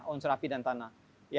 unsur api dan tanah